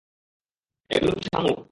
এগুলো কি শামুক?